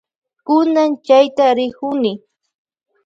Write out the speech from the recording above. Kunan chayta rikuni.